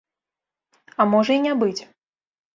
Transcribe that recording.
А можа і не быць.